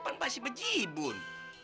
pan pasi beji bun